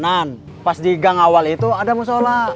belok kanan pas di gang awal itu ada musola